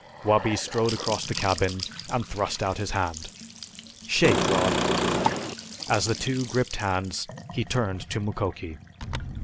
Wabi strode across the cabin and thrust out his hand. "Shake, Rod!" As the two gripped hands he turned to Mukoki.